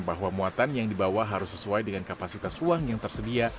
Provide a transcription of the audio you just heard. bahwa muatan yang dibawa harus sesuai dengan kapasitas ruang yang tersedia